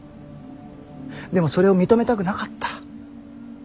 でもそれを認めたくなかった。